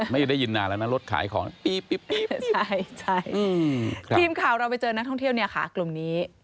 ไม่ได้ยินนานแล้วนะรถขายของปี๊บใช่ทีมข่าวเราไปเจอนักท่องเที่ยวเนี่ยค่ะกลุ่มนี้